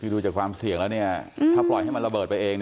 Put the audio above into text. ดูจากความเสี่ยงแล้วถ้าปล่อยให้มันระเบิดไปเอง